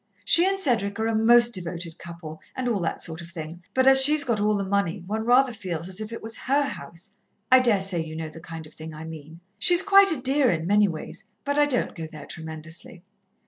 She and Cedric are a most devoted couple, and all that sort of thing, but as she's got all the money, one rather feels as if it was her house. I daresay you know the kind of thing I mean. "She's quite a dear, in many ways, but I don't go there tremendously.